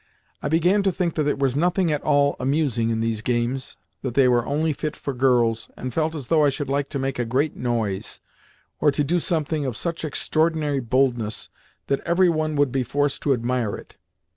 I began to think that there was nothing at all amusing in these games—that they were only fit for girls, and felt as though I should like to make a great noise, or to do something of such extraordinary boldness that every one would be forced to admire it.